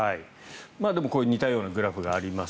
でもこういう似たようなグラフがあります。